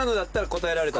答えられた。